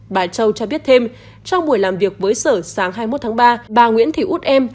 bà châu cho biết thêm trong buổi làm việc với sở sáng hai mươi một tháng ba bà nguyễn thị út em